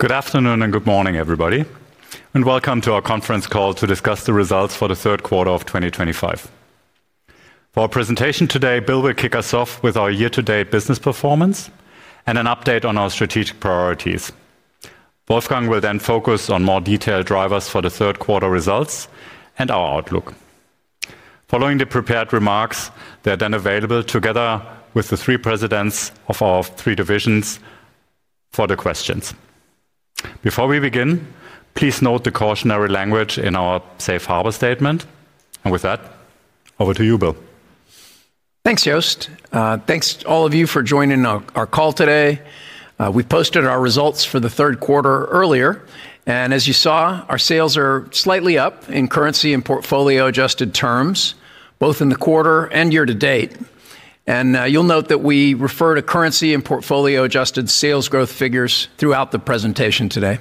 Good afternoon and good morning, everybody, and welcome to our conference call to discuss the results for the third quarter of 2025. For our presentation today, Bill will kick us off with our year-to-date business performance and an update on our strategic priorities. Wolfgang will then focus on more detailed drivers for the third quarter results and our outlook. Following the prepared remarks, they are then available together with the three presidents of our three divisions for the questions. Before we begin, please note the cautionary language in our Safe Harbor Statement. With that, over to you, Bill. Thanks, Jost. Thanks to all of you for joining our call today. We posted our results for the third quarter earlier, and as you saw, our sales are slightly up in currency and portfolio-adjusted terms, both in the quarter and year-to-date. You will note that we refer to currency and portfolio-adjusted sales growth figures throughout the presentation today.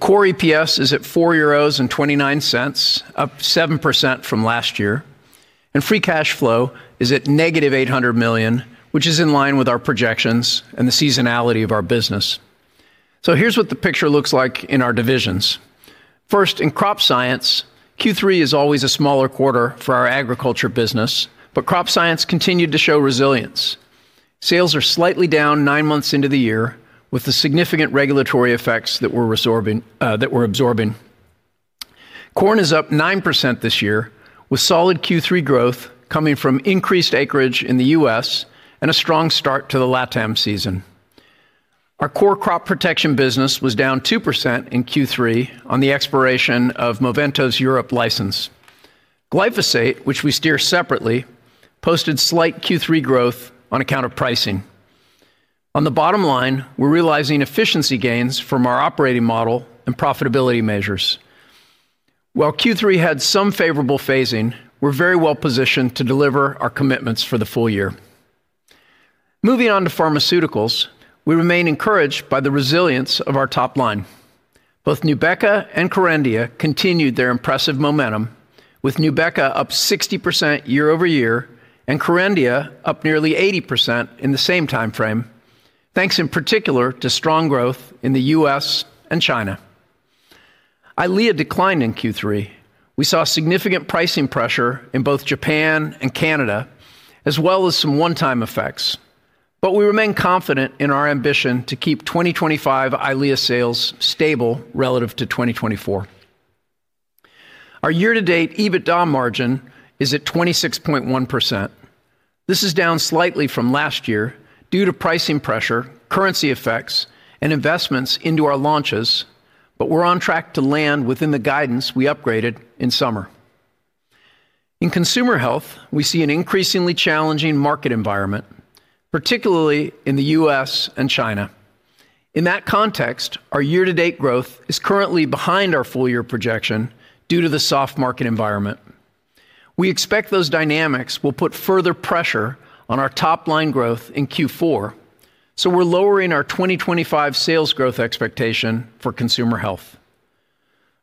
Core EPS is at 4.29 euros, up 7% from last year. Free cash flow is at -800 million, which is in line with our projections and the seasonality of our business. Here is what the picture looks like in our divisions. First, in Crop Science, Q3 is always a smaller quarter for our agriculture business, but Crop Science continued to show resilience. Sales are slightly down nine months into the year, with the significant regulatory effects that we are absorbing. Corn is up 9% this year, with solid Q3 growth coming from increased acreage in the U.S. and a strong start to the LATAM season. Our core crop protection business was down 2% in Q3 on the expiration of Movento's Europe license. Glyphosate, which we steer separately, posted slight Q3 growth on account of pricing. On the bottom line, we're realizing efficiency gains from our operating model and profitability measures. While Q3 had some favorable phasing, we're very well positioned to deliver our commitments for the full year. Moving on to Pharmaceuticals, we remain encouraged by the resilience of our top line. Both Nubeqa and Kerendia continued their impressive momentum, with Nubeqa up 60% year-over-year and Kerendia up nearly 80% in the same timeframe, thanks in particular to strong growth in the U.S. and China. Eylea declined in Q3. We saw significant pricing pressure in both Japan and Canada, as well as some one-time effects. We remain confident in our ambition to keep 2025 Eylea sales stable relative to 2024. Our year-to-date EBITDA margin is at 26.1%. This is down slightly from last year due to pricing pressure, currency effects, and investments into our launches, but we're on track to land within the guidance we upgraded in summer. In Consumer Health, we see an increasingly challenging market environment, particularly in the U.S. and China. In that context, our year-to-date growth is currently behind our full-year projection due to the soft market environment. We expect those dynamics will put further pressure on our top-line growth in Q4, so we're lowering our 2025 sales growth expectation for Consumer Health.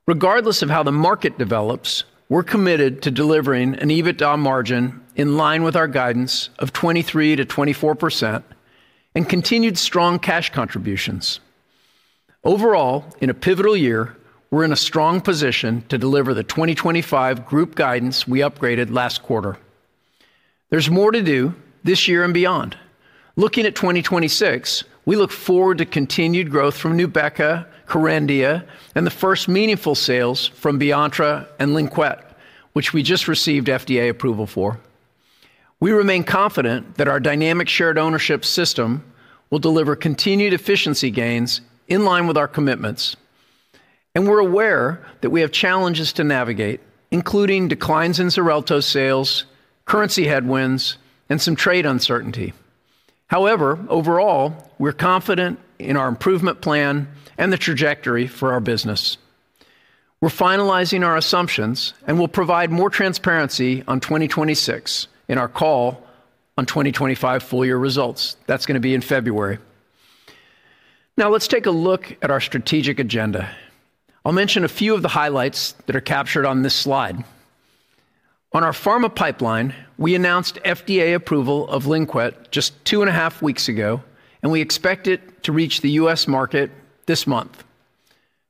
Regardless of how the market develops, we're committed to delivering an EBITDA margin in line with our guidance of 23%-24% and continued strong cash contributions. Overall, in a pivotal year, we're in a strong position to deliver the 2025 group guidance we upgraded last quarter. There's more to do this year and beyond. Looking at 2026, we look forward to continued growth from Nubeqa, Kerendia, and the first meaningful sales from Beyonttra and Lynkuet, which we just received FDA approval for. We remain confident that our dynamic shared ownership system will deliver continued efficiency gains in line with our commitments. We're aware that we have challenges to navigate, including declines in Xarelto sales, currency headwinds, and some trade uncertainty. However, overall, we're confident in our improvement plan and the trajectory for our business. We're finalizing our assumptions and will provide more transparency on 2026 in our call on 2025 full-year results. That's going to be in February. Now, let's take a look at our strategic agenda. I'll mention a few of the highlights that are captured on this slide. On our Pharma pipeline, we announced FDA approval of Lynkuet just two and a half weeks ago, and we expect it to reach the U.S. market this month.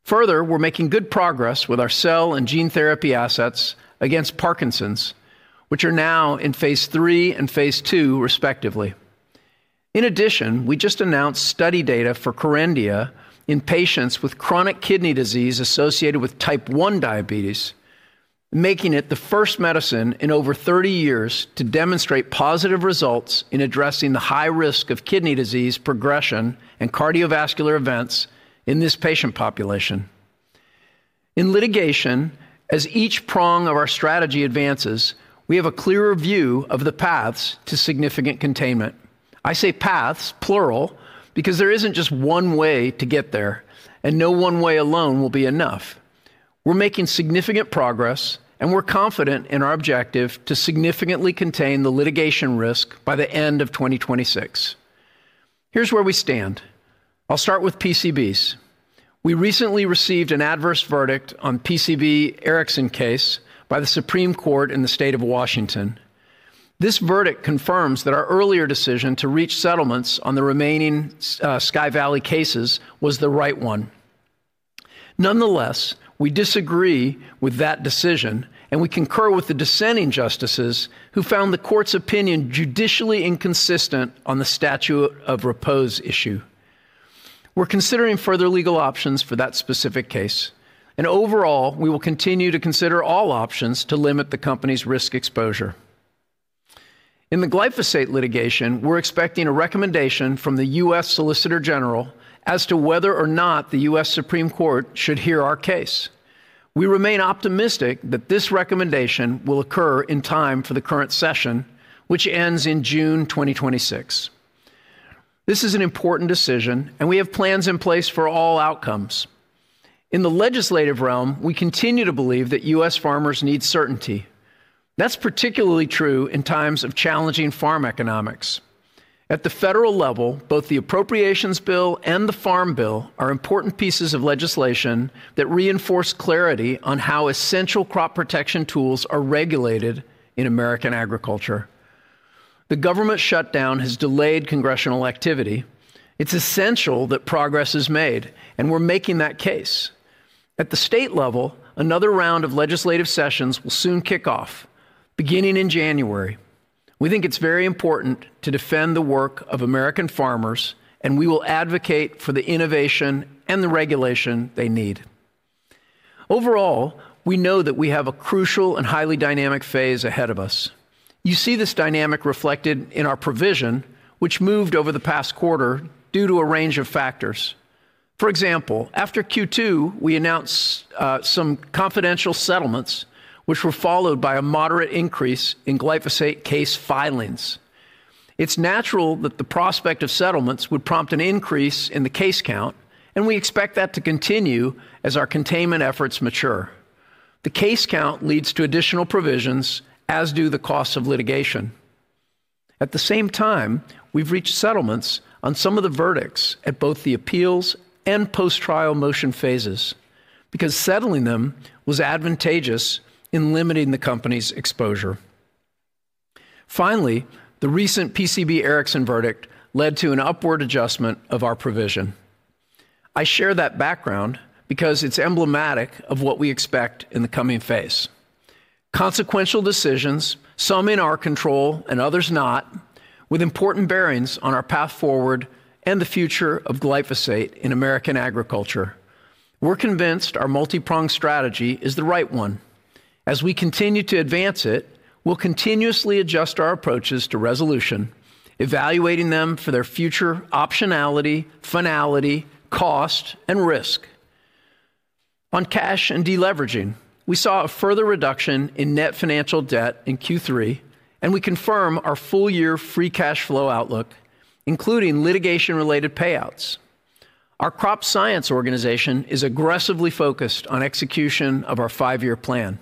Further, we're making good progress with our cell and gene therapy assets against Parkinson's, which are now in phase three and phase two, respectively. In addition, we just announced study data for Kerendia in patients with chronic kidney disease associated with type 1 diabetes, making it the first medicine in over 30 years to demonstrate positive results in addressing the high risk of kidney disease progression and cardiovascular events in this patient population. In litigation, as each prong of our strategy advances, we have a clearer view of the paths to significant containment. I say paths, plural, because there is not just one way to get there, and no one way alone will be enough. We are making significant progress, and we are confident in our objective to significantly contain the litigation risk by the end of 2026. Here is where we stand. I will start with PCBs. We recently received an adverse verdict on the PCB Erickson case by the Supreme Court in the state of Washington. This verdict confirms that our earlier decision to reach settlements on the remaining Sky Valley cases was the right one. Nonetheless, we disagree with that decision, and we concur with the dissenting justices who found the court's opinion judicially inconsistent on the statute of repose issue. We are considering further legal options for that specific case. Overall, we will continue to consider all options to limit the company's risk exposure. In the glyphosate litigation, we are expecting a recommendation from the US Solicitor General as to whether or not the US Supreme Court should hear our case. We remain optimistic that this recommendation will occur in time for the current session, which ends in June 2026. This is an important decision, and we have plans in place for all outcomes. In the legislative realm, we continue to believe that U.S. farmers need certainty. That is particularly true in times of challenging farm economics. At the federal level, both the Appropriations Bill and the Farm Bill are important pieces of legislation that reinforce clarity on how essential crop protection tools are regulated in American agriculture. The government shutdown has delayed congressional activity. It is essential that progress is made, and we are making that case. At the state level, another round of legislative sessions will soon kick off, beginning in January. We think it's very important to defend the work of American farmers, and we will advocate for the innovation and the regulation they need. Overall, we know that we have a crucial and highly dynamic phase ahead of us. You see this dynamic reflected in our provision, which moved over the past quarter due to a range of factors. For example, after Q2, we announced some confidential settlements, which were followed by a moderate increase in glyphosate case filings. It's natural that the prospect of settlements would prompt an increase in the case count, and we expect that to continue as our containment efforts mature. The case count leads to additional provisions, as do the costs of litigation. At the same time, we've reached settlements on some of the verdicts at both the appeals and post-trial motion phases because settling them was advantageous in limiting the company's exposure. Finally, the recent PCB Erickson verdict led to an upward adjustment of our provision. I share that background because it's emblematic of what we expect in the coming phase: consequential decisions, some in our control and others not, with important bearings on our path forward and the future of glyphosate in American agriculture. We're convinced our multi-pronged strategy is the right one. As we continue to advance it, we'll continuously adjust our approaches to resolution, evaluating them for their future optionality, finality, cost, and risk. On cash and deleveraging, we saw a further reduction in net financial debt in Q3, and we confirm our full-year free cash flow outlook, including litigation-related payouts. Our Crop Science organization is aggressively focused on execution of our five-year plan.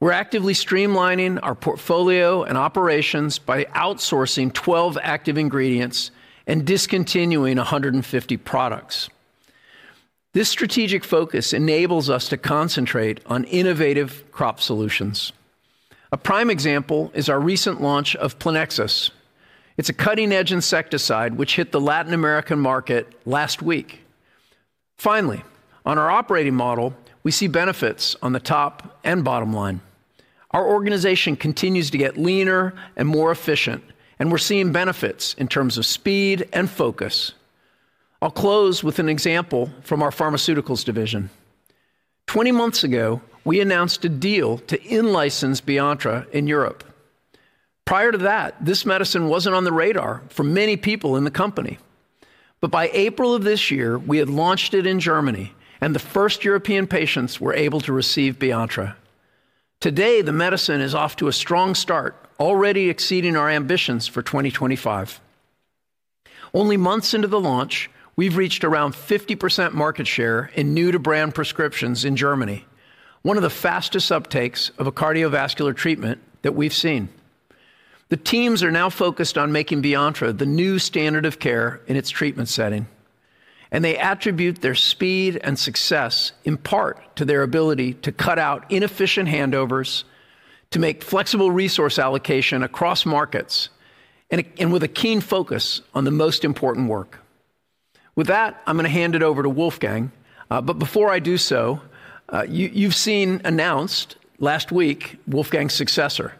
We're actively streamlining our portfolio and operations by outsourcing 12 active ingredients and discontinuing 150 products. This strategic focus enables us to concentrate on innovative crop solutions. A prime example is our recent launch of Plenexos. It's a cutting-edge insecticide which hit the Latin American market last week. Finally, on our operating model, we see benefits on the top and bottom line. Our organization continues to get leaner and more efficient, and we're seeing benefits in terms of speed and focus. I'll close with an example from our Pharmaceuticals division. Twenty months ago, we announced a deal to in-license Beyonttra in Europe. Prior to that, this medicine wasn't on the radar for many people in the company. By April of this year, we had launched it in Germany, and the first European patients were able to receive Beyonttra. Today, the medicine is off to a strong start, already exceeding our ambitions for 2025. Only months into the launch, we've reached around 50% market share in new-to-brand prescriptions in Germany, one of the fastest uptakes of a cardiovascular treatment that we've seen. The teams are now focused on making Beyonttra the new standard of care in its treatment setting. They attribute their speed and success in part to their ability to cut out inefficient handovers, to make flexible resource allocation across markets, and with a keen focus on the most important work. With that, I'm going to hand it over to Wolfgang. Before I do so, you've seen announced last week Wolfgang's successor.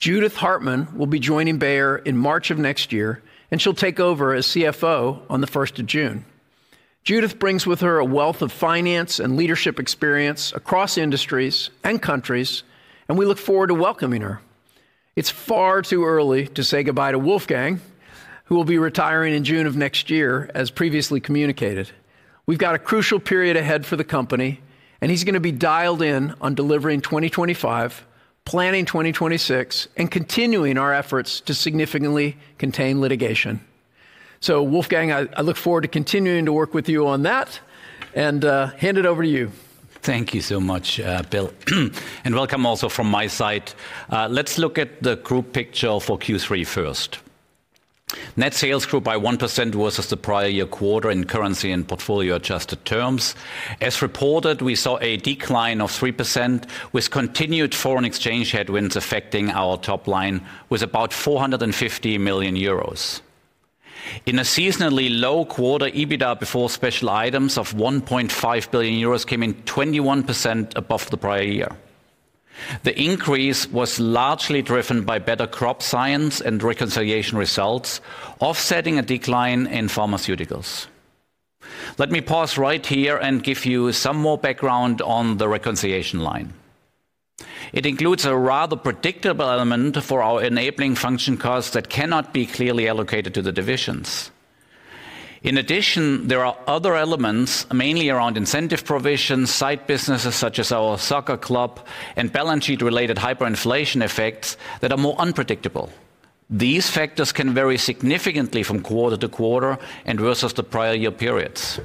Judith Hartmann will be joining Bayer in March of next year, and she'll take over as CFO on the 1st of June. Judith brings with her a wealth of finance and leadership experience across industries and countries, and we look forward to welcoming her. It's far too early to say goodbye to Wolfgang, who will be retiring in June of next year, as previously communicated. We've got a crucial period ahead for the company, and he's going to be dialed in on delivering 2025, planning 2026, and continuing our efforts to significantly contain litigation. Wolfgang, I look forward to continuing to work with you on that, and hand it over to you. Thank you so much, Bill. And welcome also from my side. Let's look at the group picture for Q3 first. Net sales grew by 1% versus the prior year quarter in currency and portfolio adjusted terms. As reported, we saw a decline of 3%, with continued foreign exchange headwinds affecting our top line with about 450 million euros. In a seasonally low quarter, EBITDA before special items of 1.5 billion euros came in 21% above the prior year. The increase was largely driven by better Crop Science and reconciliation results, offsetting a decline in Pharmaceuticals. Let me pause right here and give you some more background on the reconciliation line. It includes a rather predictable element for our enabling function costs that cannot be clearly allocated to the divisions. In addition, there are other elements, mainly around incentive provisions, side businesses such as our soccer club, and balance sheet-related hyperinflation effects that are more unpredictable. These factors can vary significantly from quarter to quarter and versus the prior year periods.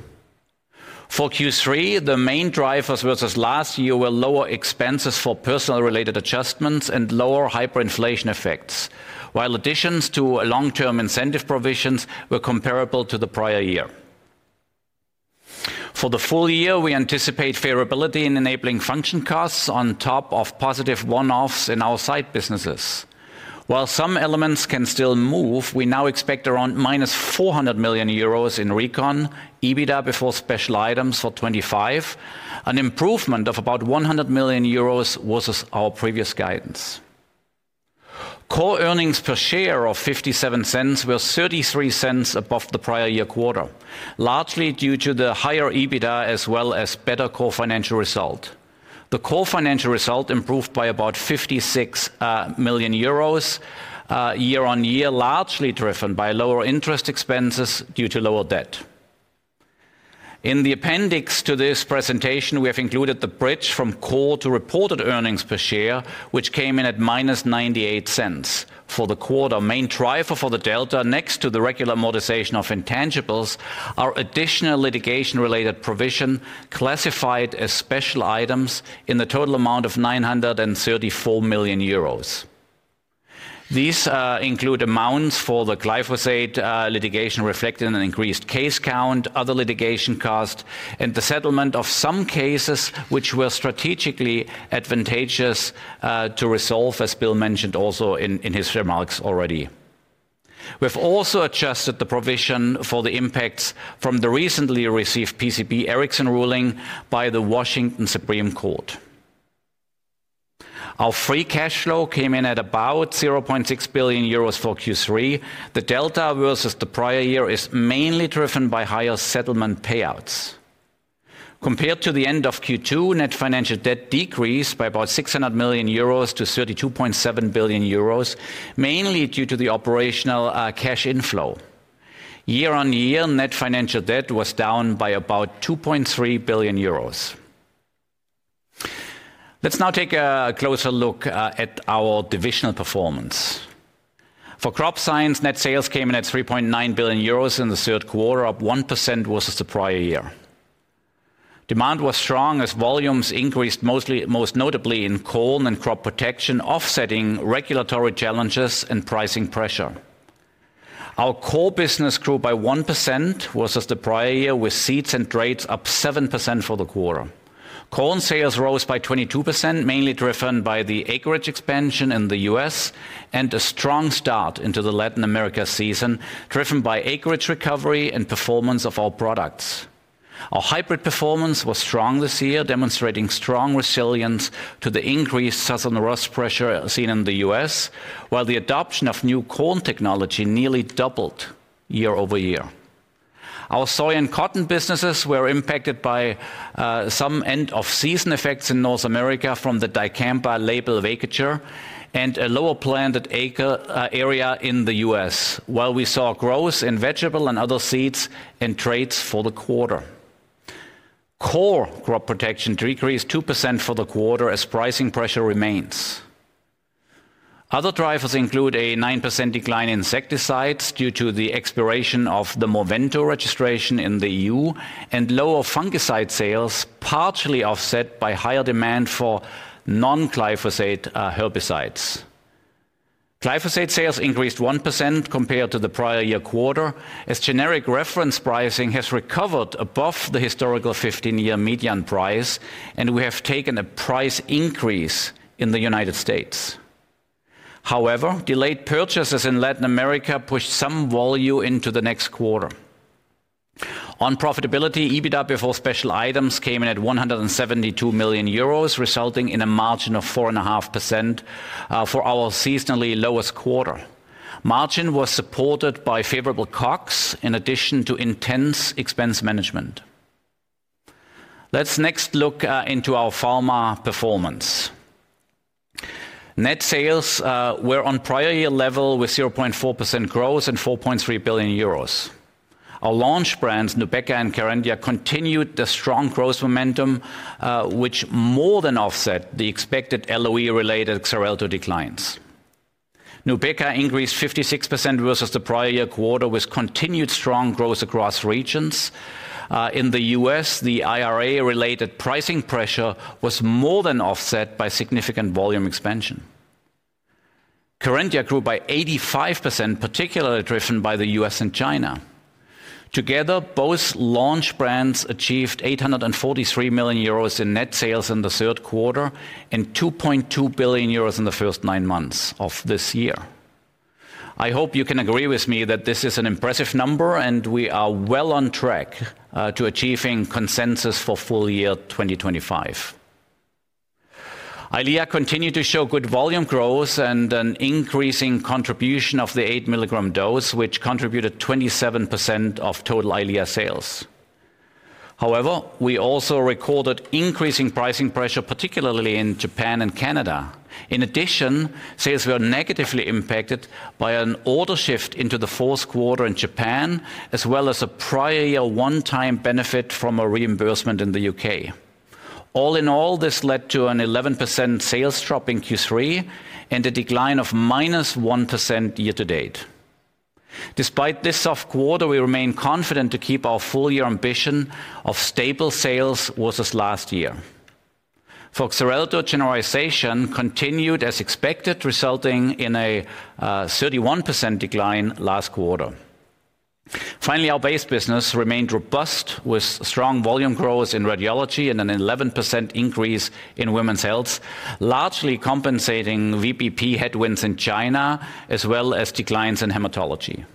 For Q3, the main drivers versus last year were lower expenses for personnel-related adjustments and lower hyperinflation effects, while additions to long-term incentive provisions were comparable to the prior year. For the full year, we anticipate favorability in enabling function costs on top of positive one-offs in our side businesses. While some elements can still move, we now expect around -400 million euros in recon, EBITDA before special items for 2025, an improvement of about 100 million euros versus our previous guidance. Core earnings per share of 0.57 were 0.33 above the prior year quarter, largely due to the higher EBITDA as well as better core financial result. The core financial result improved by about 56 million euros year-on-year, largely driven by lower interest expenses due to lower debt. In the appendix to this presentation, we have included the bridge from core to reported earnings per share, which came in at -0.98 for the quarter. Main driver for the delta, next to the regular amortization of intangibles, are additional litigation-related provisions classified as special items in the total amount of 934 million euros. These include amounts for the glyphosate litigation reflected in an increased case count, other litigation costs, and the settlement of some cases which were strategically advantageous to resolve, as Bill mentioned also in his remarks already. We've also adjusted the provision for the impacts from the recently received PCB Erickson ruling by the Washington Supreme Court. Our free cash flow came in at about 0.6 billion euros for Q3. The delta versus the prior year is mainly driven by higher settlement payouts. Compared to the end of Q2, net financial debt decreased by about 600 million euros to 32.7 billion euros, mainly due to the operational cash inflow. Year-on-year, net financial debt was down by about 2.3 billion euros. Let's now take a closer look at our divisional performance. For Crop Science, net sales came in at 3.9 billion euros in the third quarter, up 1% versus the prior year. Demand was strong as volumes increased, most notably in Corn and crop protection, offsetting regulatory challenges and pricing pressure. Our core business grew by 1% versus the prior year, with Seeds & Traits up 7% for the quarter. Corn sales rose by 22%, mainly driven by the acreage expansion in the U.S. and a strong start into the Latin America season, driven by acreage recovery and performance of our products. Our hybrid performance was strong this year, demonstrating strong resilience to the increased southern rust pressure seen in the U.S., while the adoption of new corn technology nearly doubled year-over-year. Our Soy and Cotton businesses were impacted by some end-of-season effects in North America from the dicamba label vacature and a lower planted acre area in the U.S., while we saw growth in Vegetable and other Seeds & Traits for the quarter. Core crop protection decreased 2% for the quarter as pricing pressure remains. Other drivers include a 9% decline in Insecticides due to the expiration of the Movento registration in the EU and lower Fungicide sales, partially offset by higher demand for non-glyphosate herbicides. Glyphosate sales increased 1% compared to the prior year quarter, as generic reference pricing has recovered above the historical 15-year median price, and we have taken a price increase in the United States. However, delayed purchases in Latin America pushed some volume into the next quarter. On profitability, EBITDA before special items came in at 172 million euros, resulting in a margin of 4.5% for our seasonally lowest quarter. Margin was supported by favorable COGS, in addition to intense expense management. Let's next look into our Pharma performance. Net sales were on prior year level with 0.4% growth and 4.3 billion euros. Our launch brands, Nubeqa and Kerendia, continued the strong growth momentum, which more than offset the expected LOE-related Xarelto declines. Nubeqa increased 56% versus the prior year quarter, with continued strong growth across regions. In the U.S., the IRA-related pricing pressure was more than offset by significant volume expansion. Kerendia grew by 85%, particularly driven by the U.S. and China. Together, both launch brands achieved 843 million euros in net sales in the third quarter and 2.2 billion euros in the first nine months of this year. I hope you can agree with me that this is an impressive number, and we are well on track to achieving consensus for full year 2025. Eylea continued to show good volume growth and an increasing contribution of the 8 mg dose, which contributed 27% of total Eylea sales. However, we also recorded increasing pricing pressure, particularly in Japan and Canada. In addition, sales were negatively impacted by an order shift into the fourth quarter in Japan, as well as a prior year one-time benefit from a reimbursement in the U.K. All in all, this led to an 11% sales drop in Q3 and a decline of -1% year to date. Despite this soft quarter, we remain confident to keep our full-year ambition of stable sales versus last year. For Xarelto, generalization continued as expected, resulting in a 31% decline last quarter. Finally, our base business remained robust, with strong volume growth in radiology and an 11% increase in women's health, largely compensating VBP headwinds in China, as well as declines in hematology.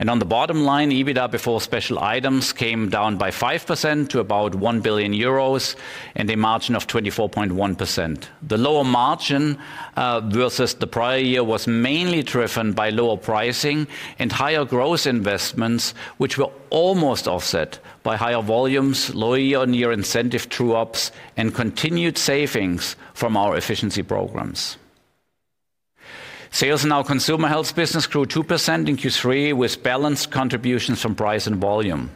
On the bottom line, EBITDA before special items came down by 5% to about 1 billion euros and a margin of 24.1%. The lower margin versus the prior year was mainly driven by lower pricing and higher growth investments, which were almost offset by higher volumes, lower year-on-year incentive true-ups, and continued savings from our efficiency programs. Sales in our Consumer Health business grew 2% in Q3, with balanced contributions from price and volume.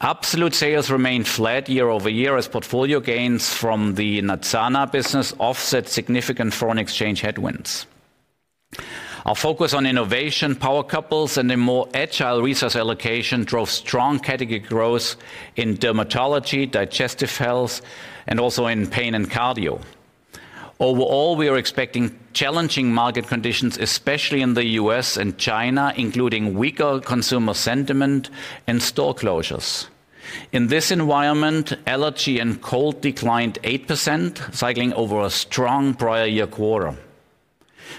Absolute sales remained flat year-over-year, as portfolio gains from the Natsana business offset significant foreign exchange headwinds. Our focus on innovation, power couples, and a more agile resource allocation drove strong category growth in Dermatology, Digestive Health, and also in Pain & Cardio. Overall, we are expecting challenging market conditions, especially in the U.S. and China, including weaker consumer sentiment and store closures. In this environment, allergy and cold declined 8%, cycling over a strong prior year quarter.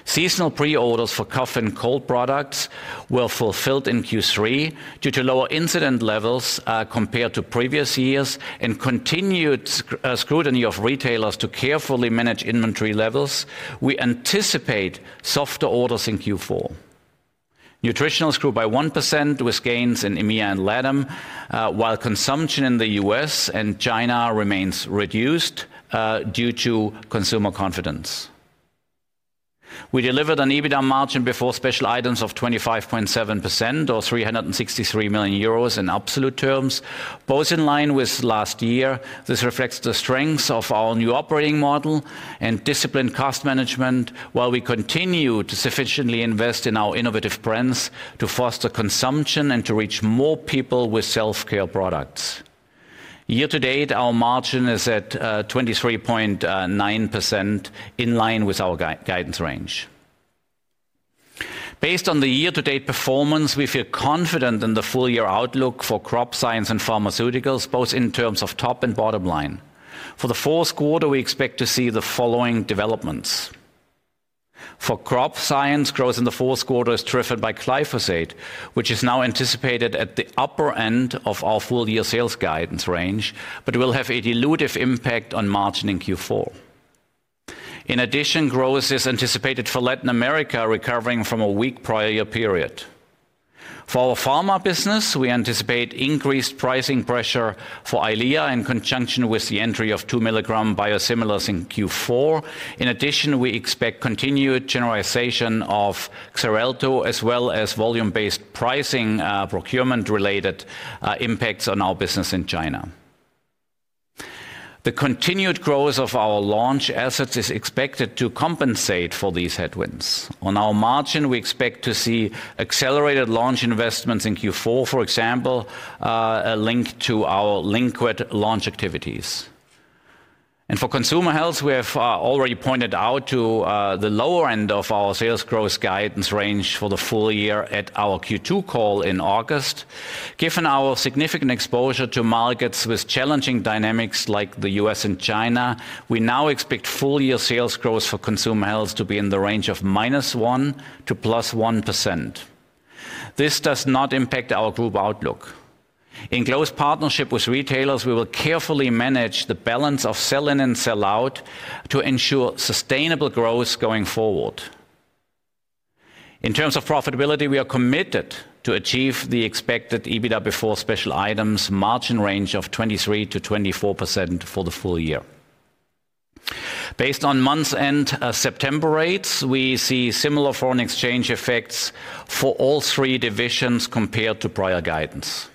Seasonal preorders for cough and cold products were fulfilled in Q3 due to lower incident levels compared to previous years and continued scrutiny of retailers to carefully manage inventory levels. We anticipate softer orders in Q4. Nutritionals grew by 1%, with gains in EMEA and LATAM, while consumption in the U.S. and China remains reduced due to consumer confidence. We delivered an EBITDA margin before special items of 25.7%, or 363 million euros in absolute terms, both in line with last year. This reflects the strengths of our new operating model and disciplined cost management, while we continue to sufficiently invest in our innovative brands to foster consumption and to reach more people with self-care products. Year to date, our margin is at 23.9%, in line with our guidance range. Based on the year-to-date performance, we feel confident in the full-year outlook for Crop Science and Pharmaceuticals, both in terms of top and bottom line. For the fourth quarter, we expect to see the following developments. For Crop Science, growth in the fourth quarter is driven by glyphosate, which is now anticipated at the upper end of our full-year sales guidance range, but will have a dilutive impact on margin in Q4. In addition, growth is anticipated for Latin America, recovering from a weak prior year period. For our Pharma business, we anticipate increased pricing pressure for Eylea in conjunction with the entry of 2 mg biosimilars in Q4. In addition, we expect continued generalization of Xarelto, as well as volume-based pricing procurement-related impacts on our business in China. The continued growth of our launch assets is expected to compensate for these headwinds. On our margin, we expect to see accelerated launch investments in Q4, for example, linked to our liquid launch activities. For Consumer Health, we have already pointed out the lower end of our sales growth guidance range for the full year at our Q2 call in August. Given our significant exposure to markets with challenging dynamics like the U.S. and China, we now expect full-year sales growth for Consumer Health to be in the range of -1% to +1%. This does not impact our group outlook. In close partnership with retailers, we will carefully manage the balance of sell-in and sell-out to ensure sustainable growth going forward. In terms of profitability, we are committed to achieve the expected EBITDA before special items margin range of 23%-24% for the full year. Based on month-end September rates, we see similar foreign exchange effects for all three divisions compared to prior guidance.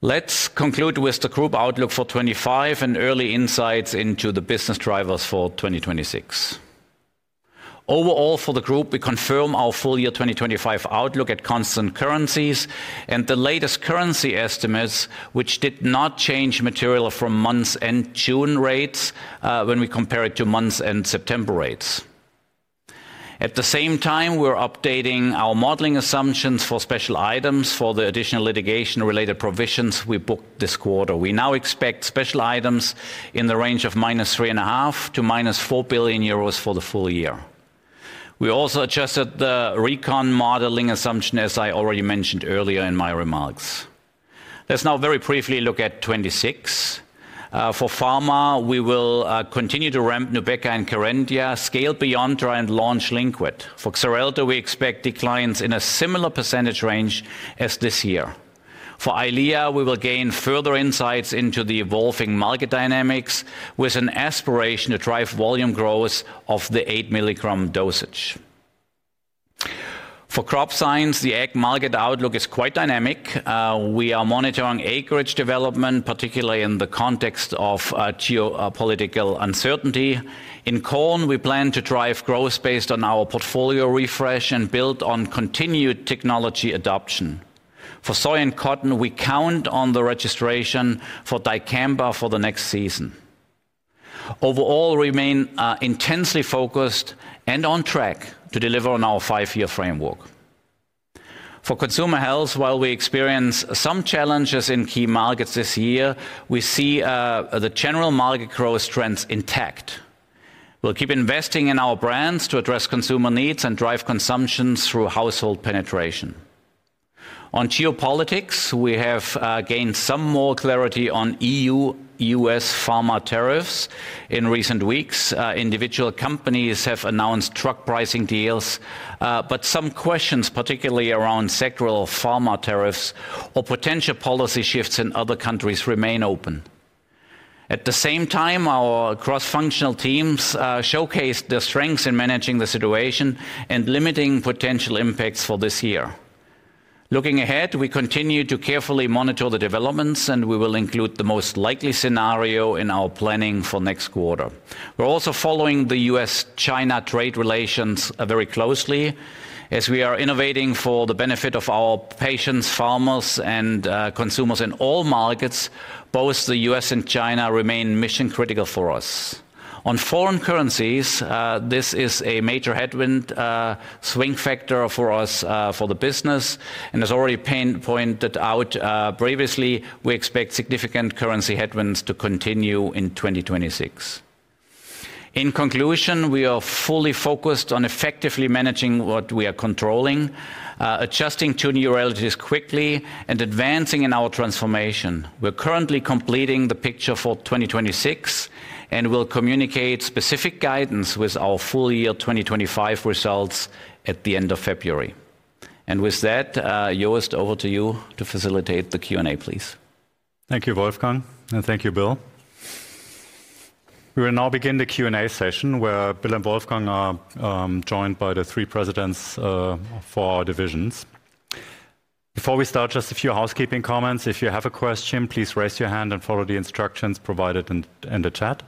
Let's conclude with the group outlook for 2025 and early insights into the business drivers for 2026. Overall, for the group, we confirm our full-year 2025 outlook at constant currencies and the latest currency estimates, which did not change materially from month-end June rates when we compare it to month-end September rates. At the same time, we're updating our modeling assumptions for special items for the additional litigation-related provisions we booked this quarter. We now expect special items in the range of -3.5 billion--4 billion euros for the full year. We also adjusted the recon modeling assumption, as I already mentioned earlier in my remarks. Let's now very briefly look at 2026. For Pharma, we will continue to ramp Nubeqa and Kerendia, scale Beyonttra, and launch Lynkuet. For Xarelto, we expect declines in a similar percentage range as this year. For Eylea, we will gain further insights into the evolving market dynamics, with an aspiration to drive volume growth of the 8 mg dosage. For Crop Science, the ag market outlook is quite dynamic. We are monitoring acreage development, particularly in the context of geopolitical uncertainty. In Corn, we plan to drive growth based on our portfolio refresh and build on continued technology adoption. For Soy and Cotton, we count on the registration for dicamba for the next season. Overall, we remain intensely focused and on track to deliver on our five-year framework. For Consumer Health, while we experience some challenges in key markets this year, we see the general market growth trends intact. We'll keep investing in our brands to address consumer needs and drive consumption through household penetration. On geopolitics, we have gained some more clarity on EU-U.S. pharma tariffs in recent weeks. Individual companies have announced truck pricing deals, but some questions, particularly around sectoral pharma tariffs or potential policy shifts in other countries, remain open. At the same time, our cross-functional teams showcased their strengths in managing the situation and limiting potential impacts for this year. Looking ahead, we continue to carefully monitor the developments, and we will include the most likely scenario in our planning for next quarter. We are also following the U.S.-China trade relations very closely. As we are innovating for the benefit of our patients, farmers, and consumers in all markets, both the U.S. and China remain mission-critical for us. On foreign currencies, this is a major headwind swing factor for us for the business, and as already pointed out previously, we expect significant currency headwinds to continue in 2026. In conclusion, we are fully focused on effectively managing what we are controlling, adjusting to new realities quickly, and advancing in our transformation. We're currently completing the picture for 2026, and we will communicate specific guidance with our full-year 2025 results at the end of February. With that, Jost, over to you to facilitate the Q&A, please. Thank you, Wolfgang, and thank you, Bill. We will now begin the Q&A session, where Bill and Wolfgang are joined by the three presidents for our divisions. Before we start, just a few housekeeping comments. If you have a question, please raise your hand and follow the instructions provided in the chat.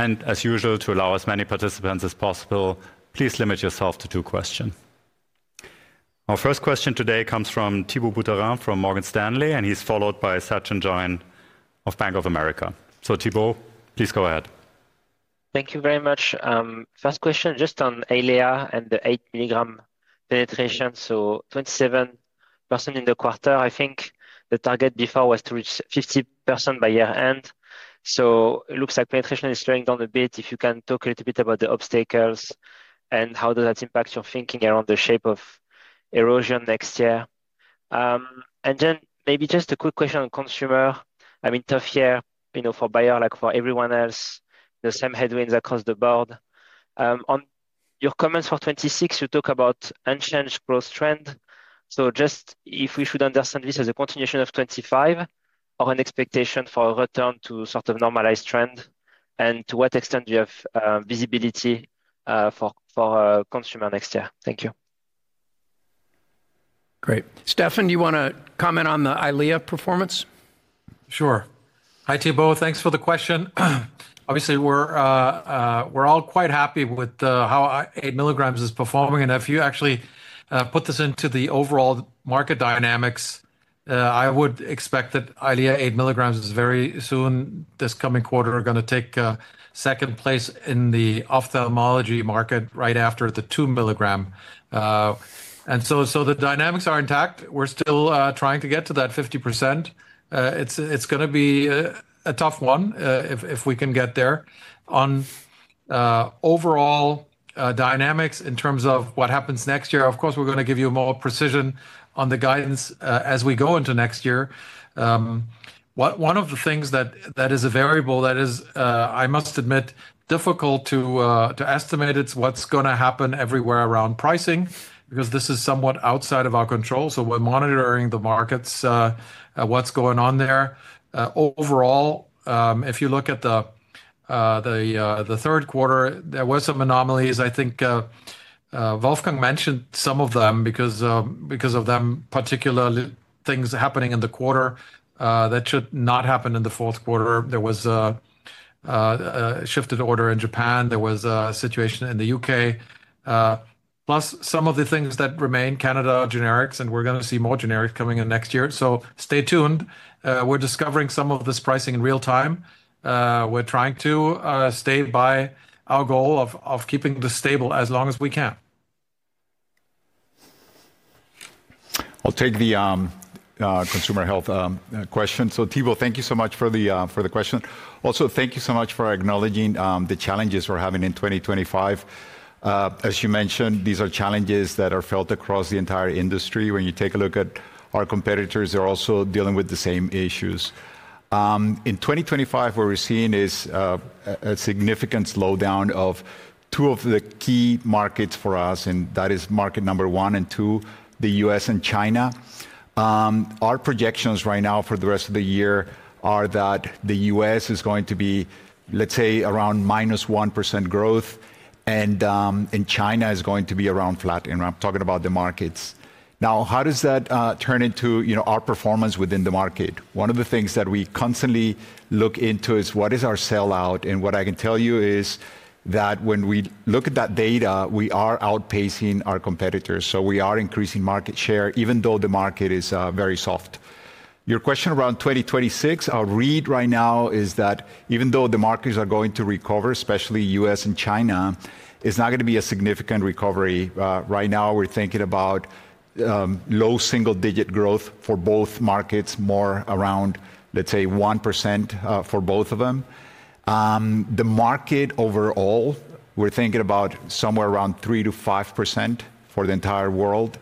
As usual, to allow as many participants as possible, please limit yourself to two questions. Our first question today comes from Thibaut Boutherin from Morgan Stanley, and he is followed by Sachin Jain of Bank of America. Thibaut, please go ahead. Thank you very much. First question, just on Eylea and the 8 mg penetration. So, 27% in the quarter. I think the target before was to reach 50% by year-end. It looks like penetration is slowing down a bit. If you can talk a little bit about the obstacles and how does that impact your thinking around the shape of erosion next year. Maybe just a quick question on Consumer. I mean, tough year for Bayer, like for everyone else, the same headwinds across the board. On your comments for 2026, you talk about unchanged growth trend. Just if we should understand this as a continuation of 2025 or an expectation for a return to sort of normalized trend, and to what extent do you have visibility for Consumer next year. Thank you. Great. Stefan, do you want to comment on the Eylea performance? Sure. Hi, Thibaut. Thanks for the question. Obviously, we're all quite happy with how 8 mg is performing. If you actually put this into the overall market dynamics, I would expect that Eylea 8 mg is very soon, this coming quarter, going to take second place in the ophthalmology market right after the 2 mg. The dynamics are intact. We're still trying to get to that 50%. It's going to be a tough one if we can get there. On overall dynamics in terms of what happens next year, of course, we're going to give you more precision on the guidance as we go into next year. One of the things that is a variable that is, I must admit, difficult to estimate, it's what's going to happen everywhere around pricing, because this is somewhat outside of our control. We are monitoring the markets, what's going on there. Overall, if you look at the third quarter, there were some anomalies. I think Wolfgang mentioned some of them because of them, particularly things happening in the quarter that should not happen in the fourth quarter. There was a shifted order in Japan. There was a situation in the U.K., plus some of the things that remain, Canada generics, and we are going to see more generics coming in next year. Stay tuned. We are discovering some of this pricing in real time. We are trying to stay by our goal of keeping this stable as long as we can. I'll take the Consumer Health question. Thibaut, thank you so much for the question. Also, thank you so much for acknowledging the challenges we are having in 2025. As you mentioned, these are challenges that are felt across the entire industry. When you take a look at our competitors, they are also dealing with the same issues. In 2025, what we are seeing is a significant slowdown of two of the key markets for us, and that is market number one and two, the U.S. and China. Our projections right now for the rest of the year are that the U.S. is going to be, let's say, around -1% growth, and China is going to be around flat. I am talking about the markets. Now, how does that turn into our performance within the market? One of the things that we constantly look into is what is our sell-out. What I can tell you is that when we look at that data, we are outpacing our competitors. We are increasing market share, even though the market is very soft. Your question around 2026, our read right now is that even though the markets are going to recover, especially the U.S. and China, it is not going to be a significant recovery. Right now, we are thinking about low single-digit growth for both markets, more around, let's say, 1% for both of them. The market overall, we are thinking about somewhere around 3%-5% for the entire world.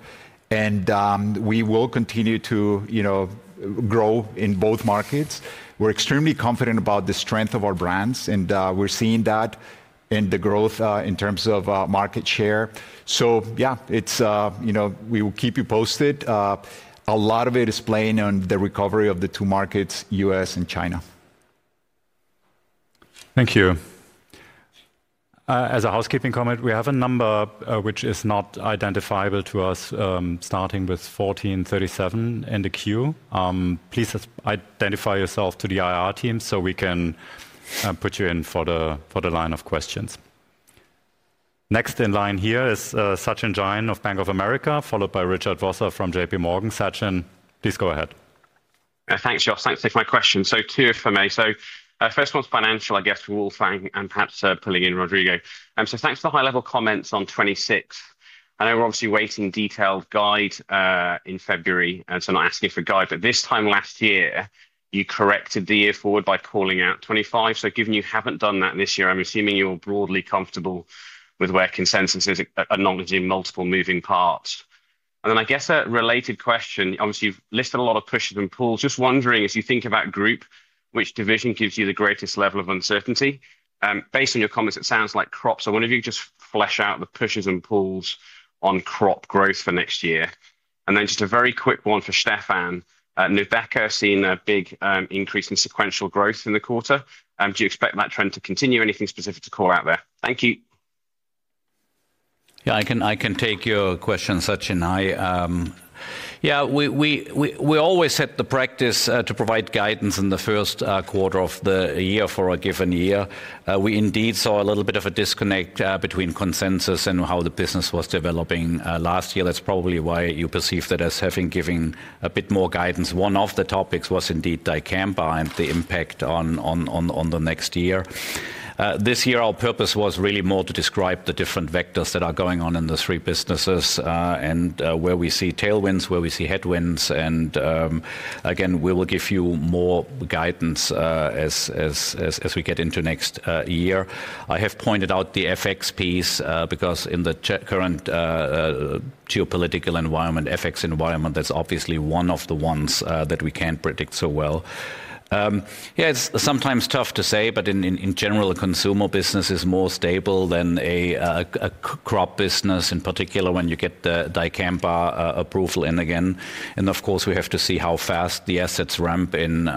We will continue to grow in both markets. We are extremely confident about the strength of our brands, and we are seeing that in the growth in terms of market share. Yeah, we will keep you posted. A lot of it is playing on the recovery of the two markets, the U.S. and China. Thank you. As a housekeeping comment, we have a number which is not identifiable to us, starting with 1437 in the queue. Please identify yourself to the IR team so we can put you in for the line of questions. Next in line here is Sachin Jain of Bank of America, followed by Richard Vosser from JPMorgan. Satchin, please go ahead. Thanks, Jost. Thanks for my question. Two for me. First one's financial, I guess, Wolfgang, and perhaps pulling in Rodrigo. Thanks for the high-level comments on 2026. I know we're obviously waiting for a detailed guide in February, and I am not asking for a guide, but this time last year, you corrected the year forward by calling out 2025. Given you have not done that this year, I am assuming you are broadly comfortable with where consensus is, acknowledging multiple moving parts. I guess a related question, obviously, you've listed a lot of pushes and pulls. Just wondering, as you think about group, which division gives you the greatest level of uncertainty? Based on your comments, it sounds like crops. I wonder if you could just flesh out the pushes and pulls on crop growth for next year. Just a very quick one for Stefan. Nubeqa has seen a big increase in sequential growth in the quarter. Do you expect that trend to continue? Anything specific to call out there? Thank you. Yeah, I can take your question, Satchin. Yeah, we always set the practice to provide guidance in the first quarter of the year for a given year. We indeed saw a little bit of a disconnect between consensus and how the business was developing last year. That's probably why you perceive that as having given a bit more guidance. One of the topics was indeed dicamba and the impact on the next year. This year, our purpose was really more to describe the different vectors that are going on in the three businesses and where we see tailwinds, where we see headwinds. Again, we will give you more guidance as we get into next year. I have pointed out the FX piece because in the current geopolitical environment, FX environment, that's obviously one of the ones that we can't predict so well. Yeah, it's sometimes tough to say, but in general, a consumer business is more stable than a Crop business, in particular when you get the dicamba approval in again. Of course, we have to see how fast the assets ramp in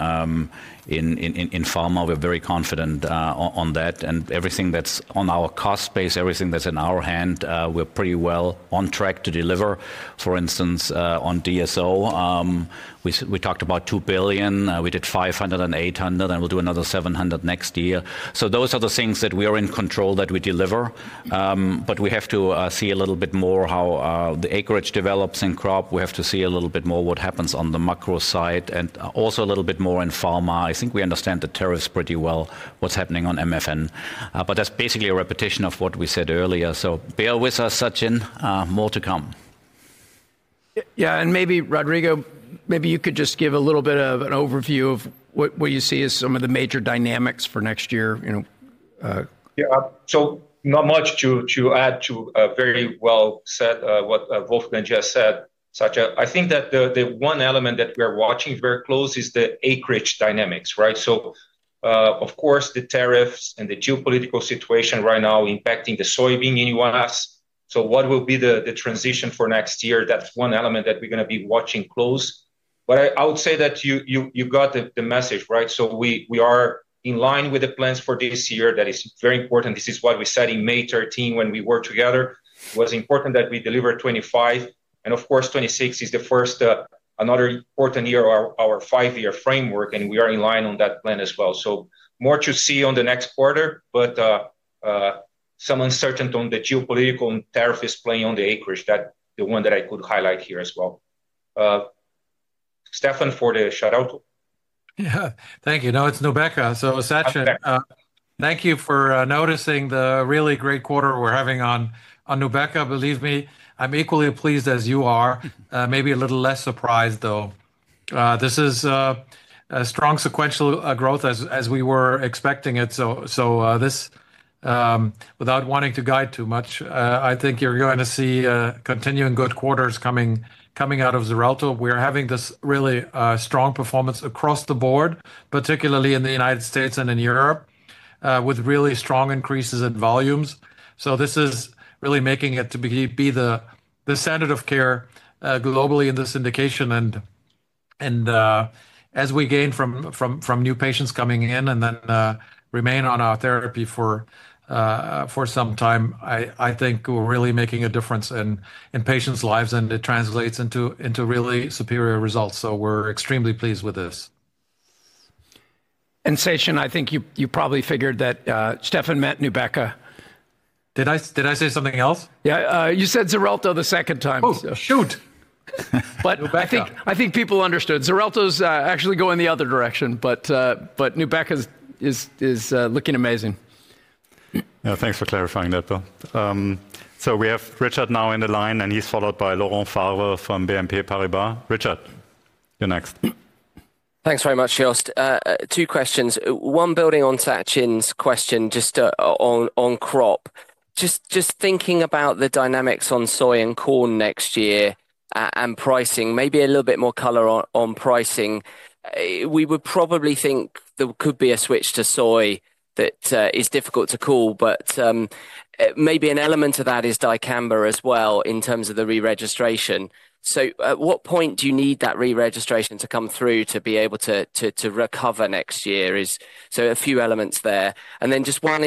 Pharma. We're very confident on that. Everything that's on our cost base, everything that's in our hand, we're pretty well on track to deliver. For instance, on DSO, we talked about 2 billion. We did 500 million and 800 million, and we'll do another 700 million next year. Those are the things that we are in control that we deliver. We have to see a little bit more how the acreage develops in Crop. We have to see a little bit more what happens on the macro side and also a little bit more in Pharma. I think we understand the tariffs pretty well, what's happening on MFN. That's basically a repetition of what we said earlier. Bear with us, Satchin. More to come. Maybe, Rodrigo, maybe you could just give a little bit of an overview of what you see as some of the major dynamics for next year. Yeah, so not much to add to very well said what Wolfgang just said, Satchin. I think that the one element that we're watching very close is the acreage dynamics, right? Of course, the tariffs and the geopolitical situation right now impacting the Soybean in the U.S. What will be the transition for next year? That's one element that we're going to be watching close. I would say that you got the message, right? We are in line with the plans for this year. That is very important. This is what we said in May 13 when we were together. It was important that we deliver 2025. Of course, 2026 is the first, another important year, our five-year framework, and we are in line on that plan as well. More to see on the next quarter, but some uncertainty on the geopolitical and tariff is playing on the acreage. That's the one that I could highlight here as well. Stefan, for the shout-out. Yeah, thank you. No, it's Nubeqa. Satchin, thank you for noticing the really great quarter we're having on Nubeqa. Believe me, I'm equally pleased as you are. Maybe a little less surprised, though. This is a strong sequential growth as we were expecting it. Without wanting to guide too much, I think you're going to see continuing good quarters coming out of Xarelto. We're having this really strong performance across the board, particularly in the United States and in Europe, with really strong increases in volumes. This is really making it to be the standard of care globally in this indication. As we gain from new patients coming in and then remain on our therapy for some time, I think we're really making a difference in patients' lives, and it translates into really superior results. We're extremely pleased with this. Satchin, I think you probably figured that Stefan meant Nubeqa. Did I say something else? Yeah, you said Xarelto the second time. Oh, shoot. I think people understood. Xarelto's actually going the other direction, but Nubeqa is looking amazing. Thanks for clarifying that, Bill. We have Richard now on the line, and he's followed by Laurent Favre from BNP Paribas. Richard, you're next. Thanks very much, Jost. Two questions. One building on Satchin's question just on Crop. Just thinking about the dynamics on Soy and Corn next year and pricing, maybe a little bit more color on pricing, we would probably think there could be a switch to Soy that is difficult to call, but maybe an element of that is dicamba as well in terms of the re-registration. At what point do you need that re-registration to come through to be able to recover next year? A few elements there. Just one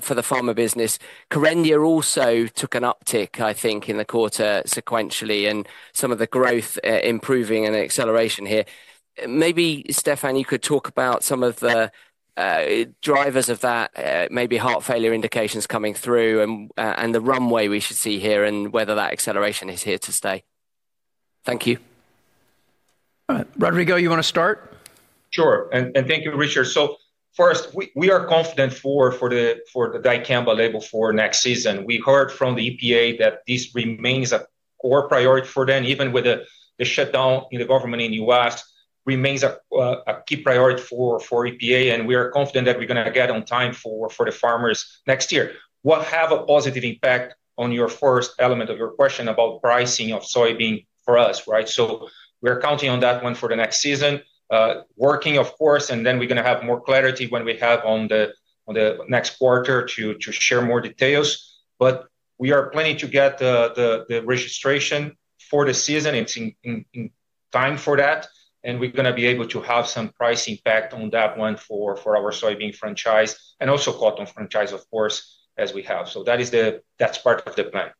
for the Pharma business. Kerendia also took an uptick, I think, in the quarter sequentially and some of the growth improving and acceleration here. Maybe, Stefan, you could talk about some of the drivers of that, maybe heart failure indications coming through and the runway we should see here and whether that acceleration is here to stay. Thank you. Rodrigo, you want to start? Sure. Thank you, Richard. First, we are confident for the dicamba label for next season. We heard from the EPA that this remains a core priority for them, even with the shutdown in the government in the U.S., remains a key priority for EPA, and we are confident that we're going to get on time for the farmers next year. We'll have a positive impact on your first element of your question about pricing of Soybean for us, right? We're counting on that one for the next season, working, of course, and then we're going to have more clarity when we have on the next quarter to share more details. We are planning to get the registration for the season. It's in time for that, and we're going to be able to have some price impact on that one for our Soybean franchise and also Cotton franchise, of course, as we have. That's part of the plan.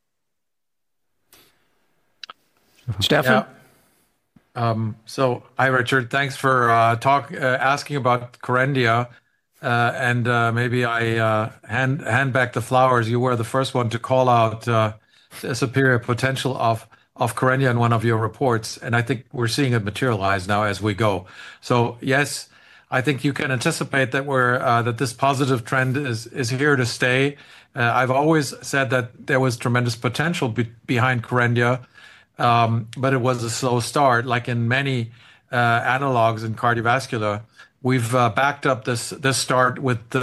Stefan? Hi, Richard. Thanks for asking about Kerendia, and maybe I hand back the flowers. You were the first one to call out the superior potential of Kerendia in one of your reports, and I think we're seeing it materialize now as we go. Yes, I think you can anticipate that this positive trend is here to stay. I've always said that there was tremendous potential behind Kerendia, but it was a slow start. Like in many analogs in cardiovascular, we've backed up this start with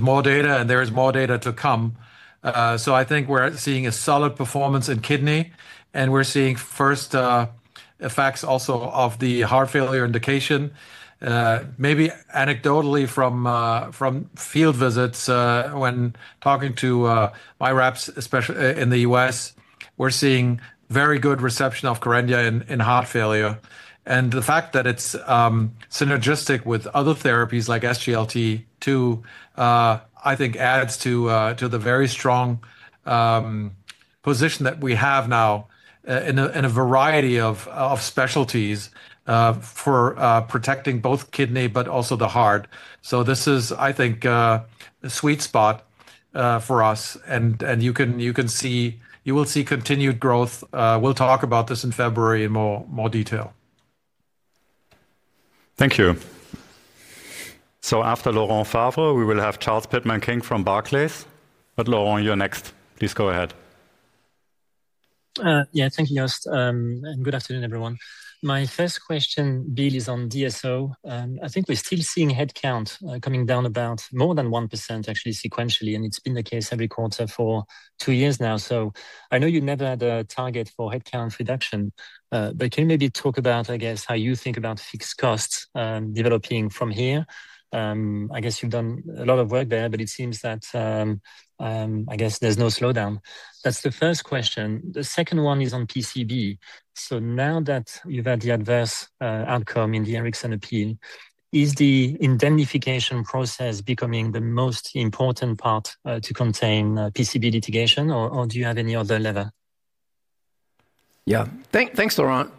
more data, and there is more data to come. I think we're seeing a solid performance in kidney, and we're seeing first effects also of the heart failure indication. Maybe anecdotally from field visits, when talking to my reps in the U.S., we're seeing very good reception of Kerendia in heart failure. The fact that it's synergistic with other therapies like SGLT-2, I think adds to the very strong position that we have now in a variety of specialties for protecting both kidney, but also the heart. This is, I think, a sweet spot for us, and you can see, you will see continued growth. We'll talk about this in February in more detail. Thank you. After Laurent Favre, we will have Charles Pitman-King from Barclays. Laurent, you're next. Please go ahead. Yeah, thank you, Jost, and good afternoon, everyone. My first question, Bill, is on DSO. I think we're still seeing headcount coming down about more than 1%, actually, sequentially, and it's been the case every quarter for two years now. I know you never had a target for headcount reduction, but can you maybe talk about, I guess, how you think about fixed costs developing from here? I guess you've done a lot of work there, but it seems that, I guess, there's no slowdown. That's the first question. The second one is on PCB. Now that you've had the adverse outcome in the Erickson appeal, is the indemnification process becoming the most important part to contain PCB litigation, or do you have any other lever? Yeah, thanks, Laurent.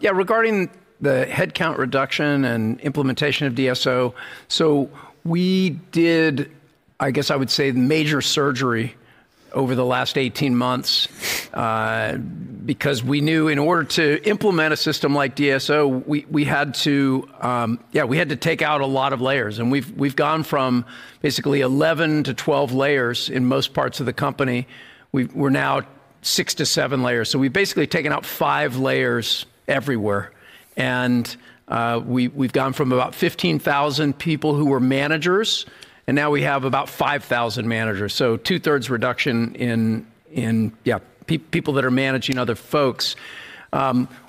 Yeah, regarding the headcount reduction and implementation of DSO, we did, I guess I would say, the major surgery over the last 18 months because we knew in order to implement a system like DSO, we had to, yeah, we had to take out a lot of layers. We have gone from basically 11 to 12 layers in most parts of the company. We are now six to seven layers. We have basically taken out five layers everywhere. We have gone from about 15,000 people who were managers, and now we have about 5,000 managers. That is a 2/3 reduction in, yeah, people that are managing other folks.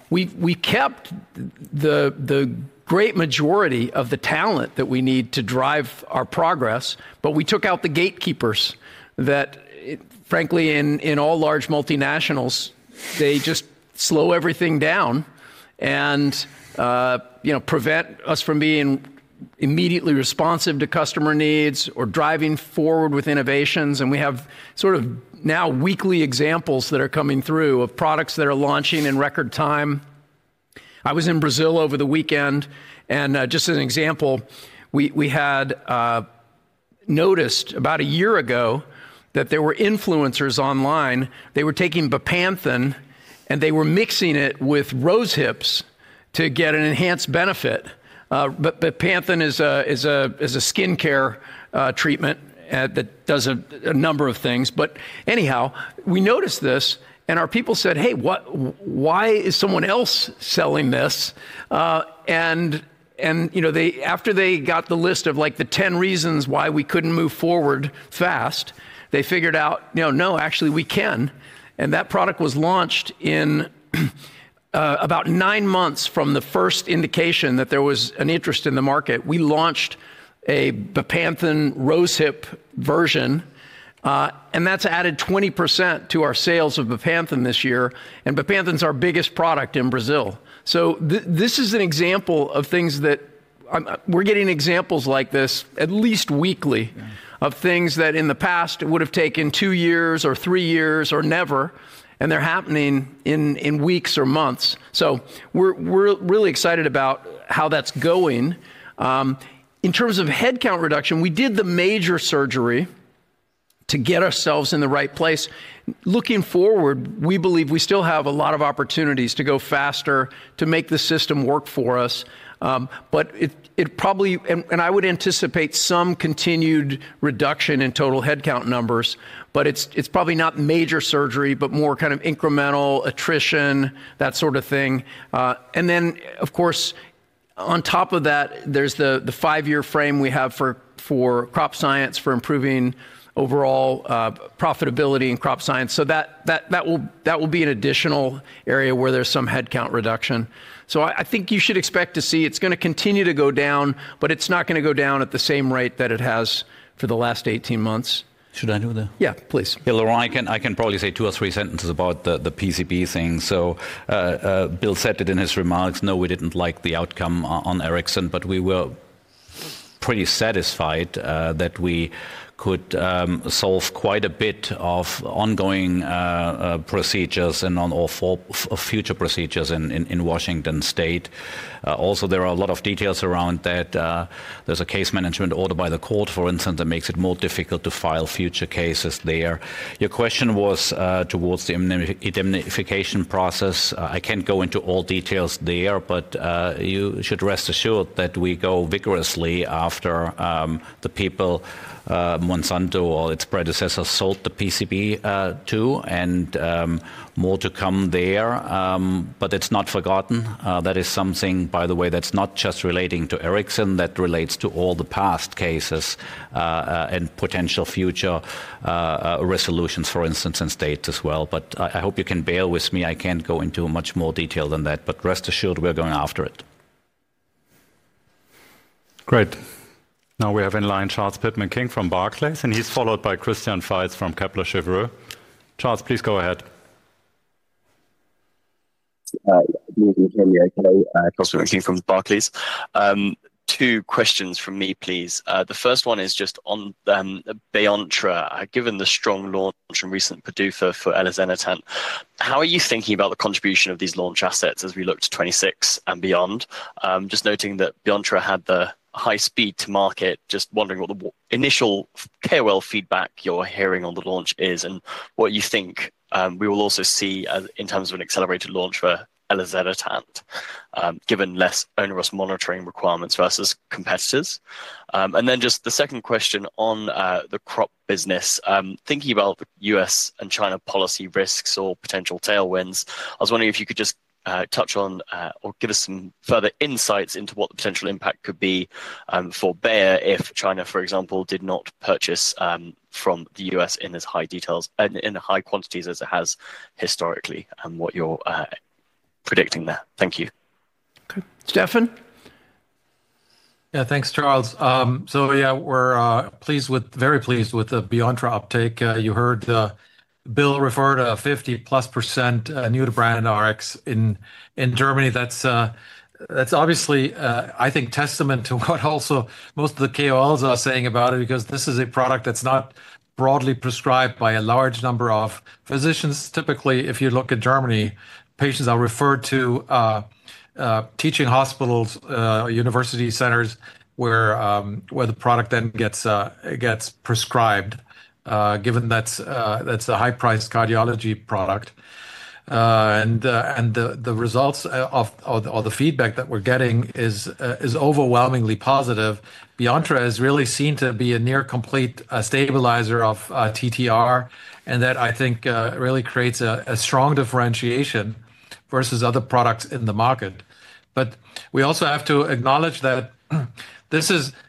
We kept the great majority of the talent that we need to drive our progress, but we took out the gatekeepers that, frankly, in all large multinationals, they just slow everything down and prevent us from being immediately responsive to customer needs or driving forward with innovations. We have sort of now weekly examples that are coming through of products that are launching in record time. I was in Brazil over the weekend, and just as an example, we had noticed about a year ago that there were influencers online. They were taking Bepanthen and they were mixing it with Rose Hips to get an enhanced benefit. Bepanthen is a skincare treatment that does a number of things. Anyhow, we noticed this, and our people said, "Hey, why is someone else selling this?" After they got the list of like the 10 reasons why we could not move forward fast, they figured out, "No, actually, we can." That product was launched in about nine months from the first indication that there was an interest in the market. We launched a Bepanthen Rose Hip version, and that has added 20% to our sales of Bepanthen this year. Bepanthen is our biggest product in Brazil. This is an example of things that—we are getting examples like this at least weekly—of things that in the past would have taken two years or three years or never, and they are happening in weeks or months. We are really excited about how that is going. In terms of headcount reduction, we did the major surgery to get ourselves in the right place. Looking forward, we believe we still have a lot of opportunities to go faster, to make the system work for us. It probably, and I would anticipate some continued reduction in total headcount numbers, but it is probably not major surgery, but more kind of incremental attrition, that sort of thing. Of course, on top of that, there is the five-year frame we have for Crop Science for improving overall profitability in Crop Science. That will be an additional area where there is some headcount reduction. I think you should expect to see it is going to continue to go down, but it is not going to go down at the same rate that it has for the last 18 months. Should I do that? Yeah, please. Laurent, I can probably say two or three sentences about the PCB thing. Bill said it in his remarks, "No, we didn't like the outcome on Erickson, but we were pretty satisfied that we could solve quite a bit of ongoing procedures and on all four future procedures in Washington State." Also, there are a lot of details around that. There is a case management order by the court, for instance, that makes it more difficult to file future cases there. Your question was towards the indemnification process. I can't go into all details there, but you should rest assured that we go vigorously after the people Monsanto or its predecessors sold the PCB to, and more to come there. It is not forgotten. That is something, by the way, that's not just relating to Erickson. That relates to all the past cases and potential future resolutions, for instance, in states as well. I hope you can bear with me. I can't go into much more detail than that, but rest assured we're going after it. Great. Now we have in line Charles Pitman-King from Barclays, and he's followed by Christian Faitz from Kepler Cheuvreux. Charles, please go ahead. King from Barclays. Two questions from me, please. The first one is just on Beyonttra. Given the strong launch and recent PDUFA for elinzanetant, how are you thinking about the contribution of these launch assets as we look to 2026 and beyond? Just noting that Beyonttra had the high speed to market, just wondering what the initial KOL feedback you're hearing on the launch is and what you think we will also see in terms of an accelerated launch for elinzanetant given less onerous monitoring requirements versus competitors. Then just the second question on the Crop business, thinking about the U.S. and China policy risks or potential tailwinds, I was wondering if you could just touch on or give us some further insights into what the potential impact could be for Bayer if China, for example, did not purchase from the U.S. in as high details and in high quantities as it has historically and what you're predicting there. Thank you. Okay. Stefan? Yeah, thanks, Charles. Yeah, we're pleased with, very pleased with the Beyonttra uptake. You heard Bill refer to a 50%+ new to brand RX in Germany. That is obviously, I think, testament to what also most of the KOLs are saying about it because this is a product that is not broadly prescribed by a large number of physicians. Typically, if you look at Germany, patients are referred to teaching hospitals, university centers where the product then gets prescribed, given that is a high-priced cardiology product. The results of the feedback that we are getting is overwhelmingly positive. Beyonttra is really seen to be a near-complete stabilizer of TTR, and that, I think, really creates a strong differentiation versus other products in the market. We also have to acknowledge that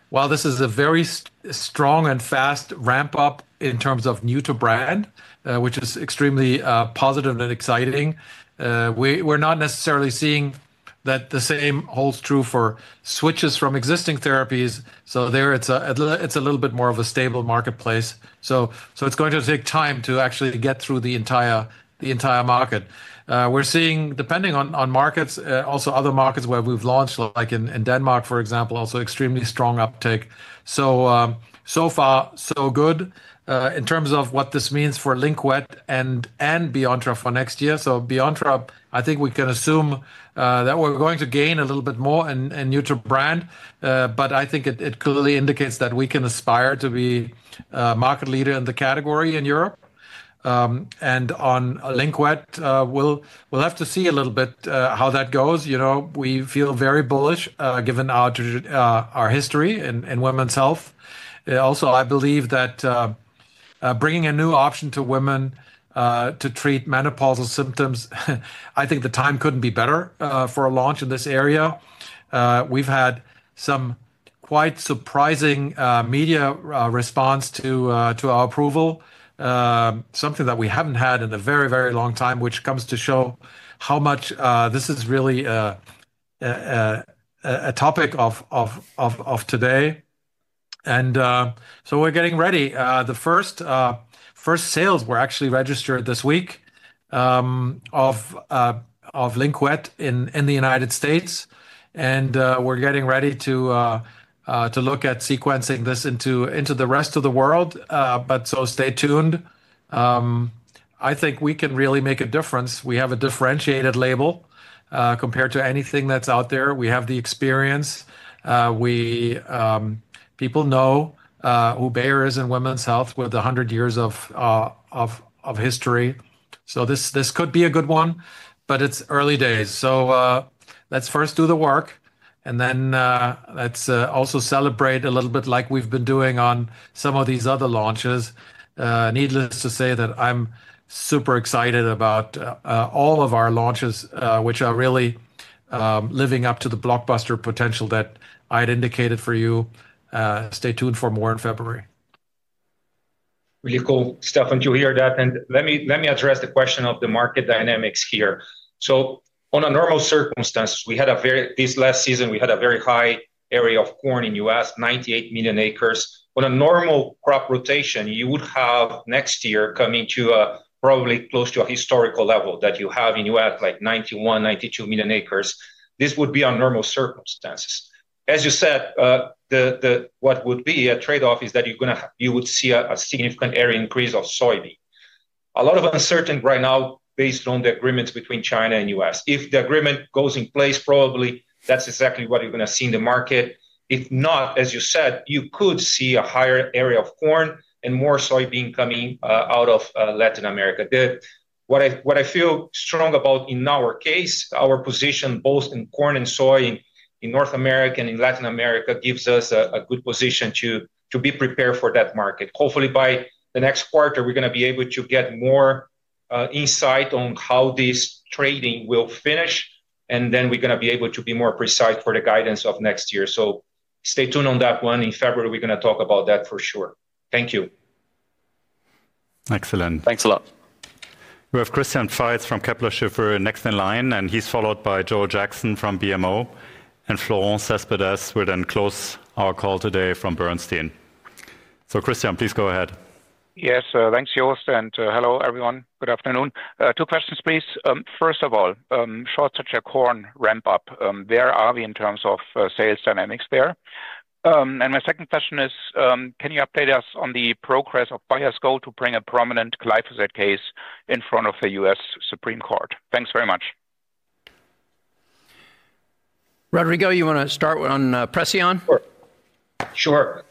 while this is a very strong and fast ramp-up in terms of new to brand, which is extremely positive and exciting, we're not necessarily seeing that the same holds true for switches from existing therapies. There, it's a little bit more of a stable marketplace. It's going to take time to actually get through the entire market. We're seeing, depending on markets, also other markets where we've launched, like in Denmark, for example, also extremely strong uptake. So far, so good in terms of what this means for Lynkuet and Beyonttra for next year. Beyonttra, I think we can assume that we're going to gain a little bit more in new to brand, but I think it clearly indicates that we can aspire to be a market leader in the category in Europe. On Lynkuet, we'll have to see a little bit how that goes. We feel very bullish given our history in women's health. Also, I believe that bringing a new option to women to treat menopausal symptoms, I think the time couldn't be better for a launch in this area. We've had some quite surprising media response to our approval, something that we haven't had in a very, very long time, which comes to show how much this is really a topic of today. We are getting ready. The first sales were actually registered this week of Lynkuet in the United States, and we are getting ready to look at sequencing this into the rest of the world. Stay tuned. I think we can really make a difference. We have a differentiated label compared to anything that's out there. We have the experience. People know who Bayer is in women's health with 100 years of history. This could be a good one, but it's early days. Let's first do the work, and then let's also celebrate a little bit like we've been doing on some of these other launches. Needless to say that I'm super excited about all of our launches, which are really living up to the blockbuster potential that I had indicated for you. Stay tuned for more in February. Really cool, Stefan, to hear that. Let me address the question of the market dynamics here. Under a normal circumstance, we had a very—this last season, we had a very high area of corn in the U.S., 98 million acres. On a normal crop rotation, you would have next year coming to probably close to a historical level that you have in the U.S., like 91-92 million acres. This would be on normal circumstances. As you said, what would be a trade-off is that you would see a significant area increase of Soybean. A lot of uncertainty right now based on the agreements between China and the U.S. If the agreement goes in place, probably that's exactly what you're going to see in the market. If not, as you said, you could see a higher area of Corn and more Soybean coming out of Latin America. What I feel strong about in our case, our position both in Corn and Soy in North America and in Latin America gives us a good position to be prepared for that market. Hopefully, by the next quarter, we're going to be able to get more insight on how this trading will finish, and then we're going to be able to be more precise for the guidance of next year. Stay tuned on that one. In February, we're going to talk about that for sure. Thank you. Excellent. Thanks a lot. We have Christian Faitz from Kepler Cheuvreux next in line, and he's followed by Joel Jackson from BMO. Florent Cespedes will then close our call today from Bernstein. Christian, please go ahead. Yes, thanks, Jost, and hello, everyone. Good afternoon. Two questions, please. First of all, short stature corn ramp-up, where are we in terms of sales dynamics there? My second question is, can you update us on the progress of Bayer's goal to bring a prominent glyphosate case in front of the US Supreme Court? Thanks very much. Rodrigo, you want to start on Preceon? Sure.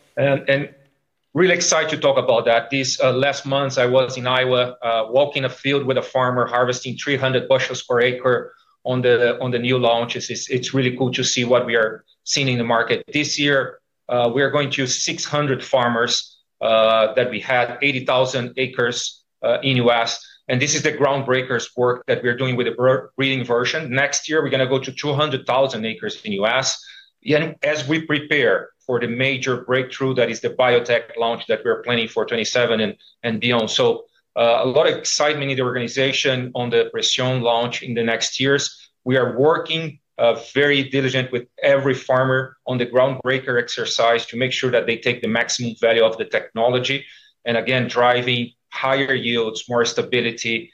Really excited to talk about that. These last months, I was in Iowa, walking a field with a farmer harvesting 300 bushels per acre on the new launches. It's really cool to see what we are seeing in the market. This year, we are going to 600 farmers that we had 80,000 acres in the U.S. This is the groundbreakers work that we're doing with the breeding version. Next year, we're going to go to 200,000 acres in the U.S. As we prepare for the major breakthrough, that is the biotech launch that we're planning for 2027 and beyond. A lot of excitement in the organization on the Preceon launch in the next years. We are working very diligently with every farmer on the groundbreaker exercise to make sure that they take the maximum value of the technology. Again, driving higher yields, more stability,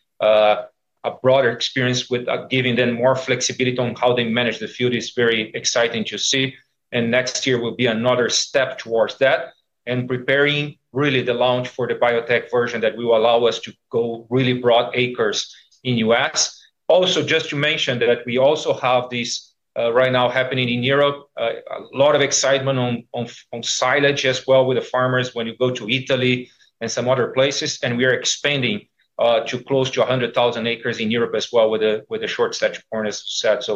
a broader experience with giving them more flexibility on how they manage the field is very exciting to see. Next year will be another step towards that and preparing really the launch for the biotech version that will allow us to go really broad acres in the U.S.. Also, just to mention that we also have this right now happening in Europe, a lot of excitement on silage as well with the farmers when you go to Italy and some other places. We are expanding to close to 100,000 acres in Europe as well with the short stature corn sets.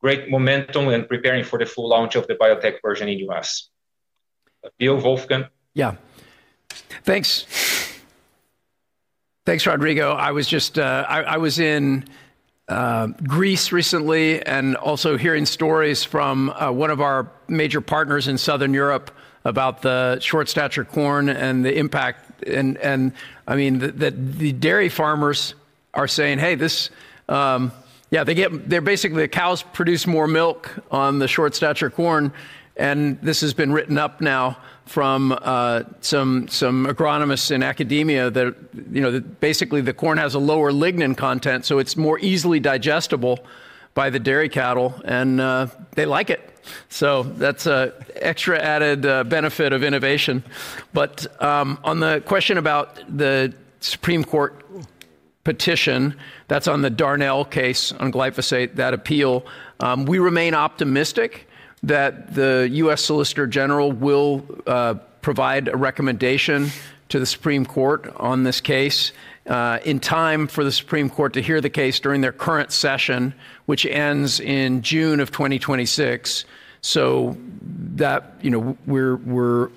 Great momentum and preparing for the full launch of the biotech version in the U.S. Yeah. Thanks. Thanks, Rodrigo. I was in Greece recently and also hearing stories from one of our major partners in Southern Europe about the short stature corn and the impact. I mean, the dairy farmers are saying, "Hey, yeah, they're basically the cows produce more milk on the short stature corn." This has been written up now from some agronomists in academia that basically the corn has a lower lignin content, so it is more easily digestible by the dairy cattle, and they like it. That is an extra added benefit of innovation. On the question about the Supreme Court petition, that's on the Durnell case on glyphosate, that appeal, we remain optimistic that the US Solicitor General will provide a recommendation to the Supreme Court on this case in time for the Supreme Court to hear the case during their current session, which ends in June of 2026. We're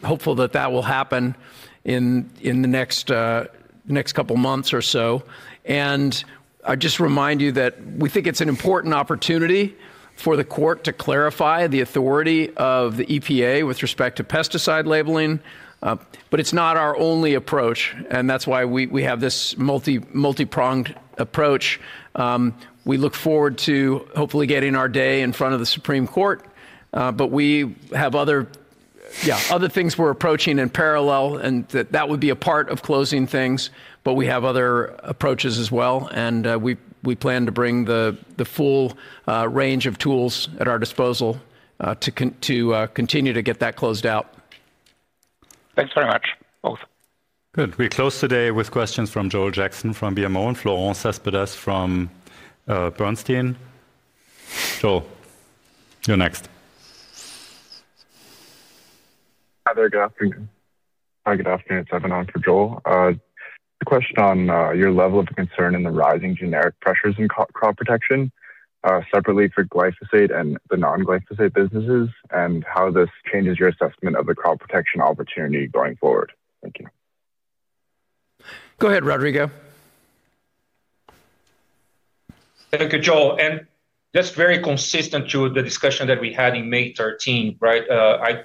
hopeful that that will happen in the next couple of months or so. I just remind you that we think it's an important opportunity for the court to clarify the authority of the EPA with respect to pesticide labeling. It's not our only approach, and that's why we have this multi-pronged approach. We look forward to hopefully getting our day in front of the Supreme Court, but we have other things we're approaching in parallel, and that would be a part of closing things. We have other approaches as well, and we plan to bring the full range of tools at our disposal to continue to get that closed out. Thanks very much, both. Good. We close today with questions from Joel Jackson from BMO and Florent Cespedes from Bernstein. Joel, you're next. Hi, there again. Hi, good afternoon. It's Evan on for Joel. The question on your level of concern in the rising generic pressures in crop protection, separately for glyphosate and the non-glyphosate businesses, and how this changes your assessment of the crop protection opportunity going forward. Thank you. Go ahead, Rodrigo. Thank you, Joel. Just very consistent to the discussion that we had in May 13, right?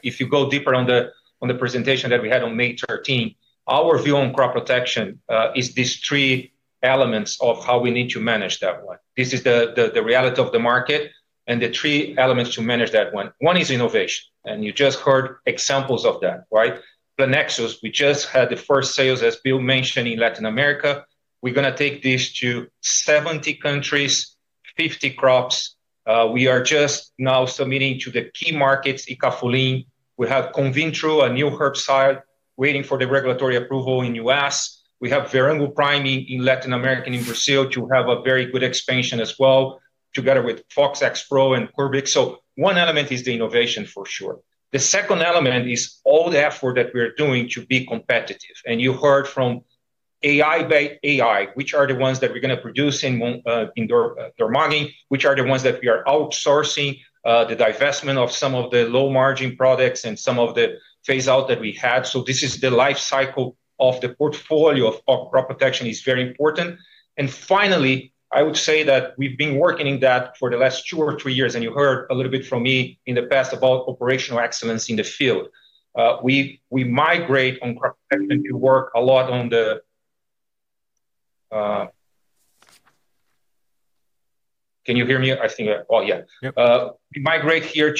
If you go deeper on the presentation that we had on May 13, our view on crop protection is these three elements of how we need to manage that one. This is the reality of the market and the three elements to manage that one. One is innovation, and you just heard examples of that, right? Plenexos, we just had the first sales, as Bill mentioned, in Latin America. We're going to take this to 70 countries, 50 crops. We are just now submitting to the key markets, Icafolin. We have Convintro, a new herbicide waiting for the regulatory approval in the U.S. We have Verango Prime in Latin America and in Brazil to have a very good expansion as well, together with Fox Xpro and Curbix. One element is the innovation for sure. The second element is all the effort that we are doing to be competitive. You heard from [AI Bay AI], which are the ones that we're going to produce in [Germany], which are the ones that we are outsourcing, the divestment of some of the low-margin products and some of the phase-out that we had. This is the life cycle of the portfolio of crop protection, which is very important. Finally, I would say that we've been working on that for the last two or three years, and you heard a little bit from me in the past about operational excellence in the field. We migrate on crop protection to work a lot on the—can you hear me? I think, oh, yeah. We migrate here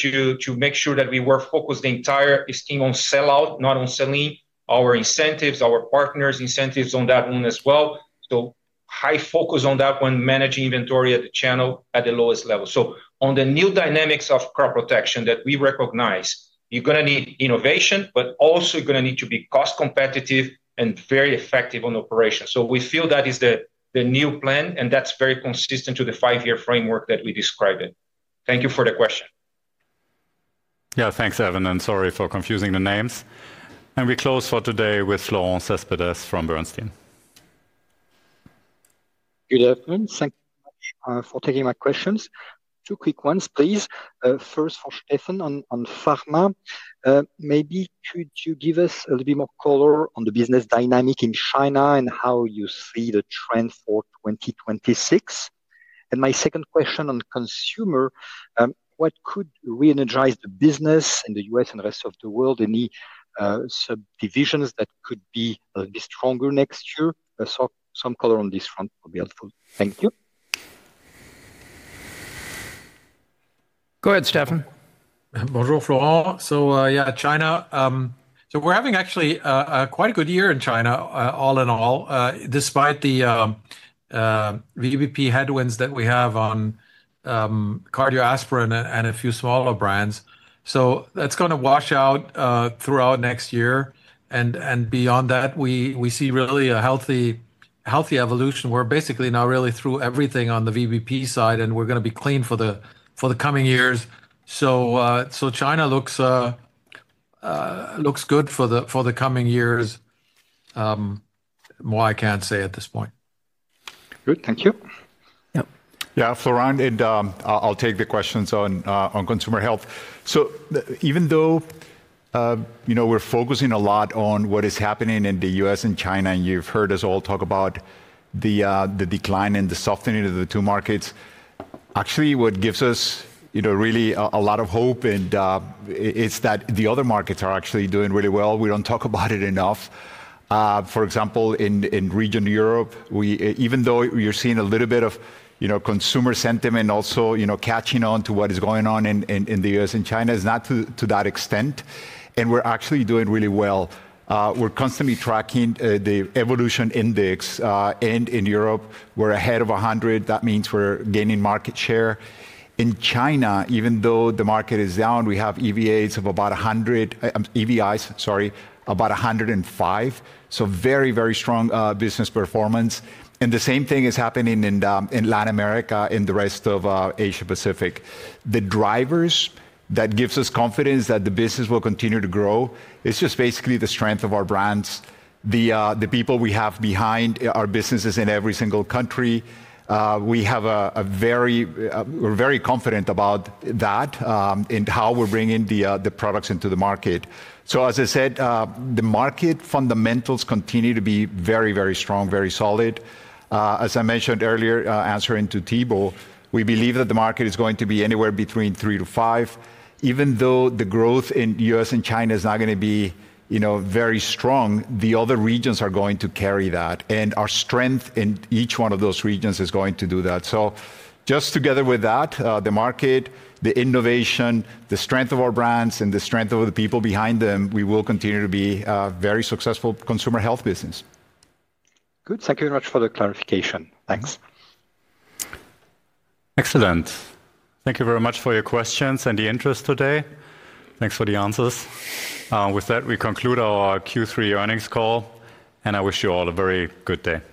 to make sure that we were focused, the entire esteem, on sell-out, not on selling our incentives, our partners' incentives on that one as well. High focus on that one, managing inventory at the channel at the lowest level. On the new dynamics of crop protection that we recognize, you're going to need innovation, but also you're going to need to be cost-competitive and very effective on operations. We feel that is the new plan, and that's very consistent to the five-year framework that we described it. Thank you for the question. Yeah, thanks, Evan, and sorry for confusing the names. We close for today with Florent Cespedes from Bernstein. Good afternoon. Thank you for taking my questions. Two quick ones, please. First, for Stefan on Pharma. Maybe could you give us a little bit more color on the business dynamic in China and how you see the trend for 2026? My second question on Consumer, what could re-energize the business in the U.S. and the rest of the world? Any subdivisions that could be a little bit stronger next year? Some color on this front would be helpful. Thank you. Go ahead, Stefan. Bonjour, Florent. Yeah, China. We are having actually quite a good year in China, all in all, despite the VBP headwinds that we have on cardioaspirin and a few smaller brands. That is going to wash out throughout next year. Beyond that, we see really a healthy evolution. We are basically now really through everything on the VBP side, and we are going to be clean for the coming years. China looks good for the coming years. More I cannot say at this point. Good. Thank you. Yeah, Florent, and I will take the questions on Consumer Health. Even though we're focusing a lot on what is happening in the U.S. and China, and you've heard us all talk about the decline and the softening of the two markets, actually what gives us really a lot of hope is that the other markets are actually doing really well. We don't talk about it enough. For example, in region Europe, even though you're seeing a little bit of consumer sentiment also catching on to what is going on in the U.S. and China, it's not to that extent. We're actually doing really well. We're constantly tracking the evolution index. In Europe, we're ahead of 100. That means we're gaining market share. In China, even though the market is down, we have EVIs of about 105. Very, very strong business performance. The same thing is happening in Latin America and the rest of Asia-Pacific. The drivers that give us confidence that the business will continue to grow, it's just basically the strength of our brands, the people we have behind our businesses in every single country. We are very confident about that and how we are bringing the products into the market. As I said, the market fundamentals continue to be very, very strong, very solid. As I mentioned earlier, answering to Thibaut, we believe that the market is going to be anywhere between 3%-5%. Even though the growth in the U.S. and China is not going to be very strong, the other regions are going to carry that. Our strength in each one of those regions is going to do that. Just together with that, the market, the innovation, the strength of our brands, and the strength of the people behind them, we will continue to be a very successful Consumer Health business. Good. Thank you very much for the clarification. Thanks. Excellent. Thank you very much for your questions and the interest today. Thanks for the answers. With that, we conclude our Q3 earnings call, and I wish you all a very good day.